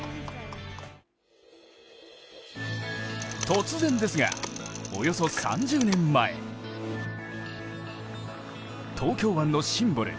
突然ですが、およそ３０年前東京湾のシンボル